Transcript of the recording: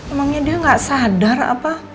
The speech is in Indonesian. emangnya dia nggak sadar apa